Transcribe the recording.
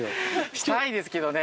したいですけどね。